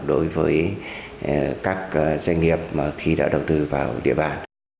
đối với các doanh nghiệp mà khi đã đầu tư vào địa bàn